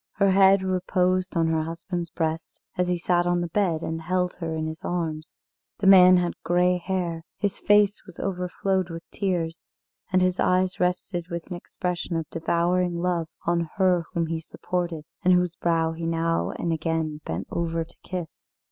Her head reposed on her husband's breast as he sat on the bed and held her in his arms. The man had grey hair, his face was overflowed with tears, and his eyes rested with an expression of devouring love on her whom he supported, and whose brow he now and again bent over to kiss.